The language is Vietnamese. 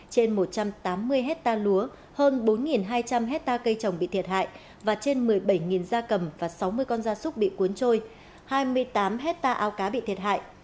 trên một trăm tám mươi hết ta lúa hơn bốn hai trăm linh hết ta cây trồng bị thiệt hại và trên một mươi bảy da cầm và sáu mươi con da súc bị cuốn trôi hai mươi tám hết ta ao cá bị thiệt hại